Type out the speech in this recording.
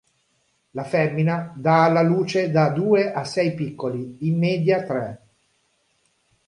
La femmina dà alla luce da due a sei piccoli, in media tre.